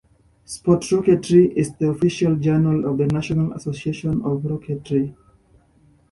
"Sport Rocketry" is the official journal of the National Association of Rocketry.